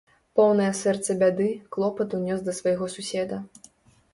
Поўнае сэрца бяды, клопату нёс да свайго суседа.